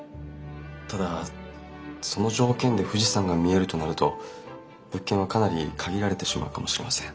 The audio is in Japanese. ただその条件で富士山が見えるとなると物件はかなり限られてしまうかもしれません。